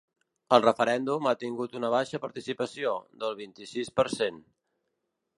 El referèndum ha tingut una baixa participació, del vint-i-sis per cent.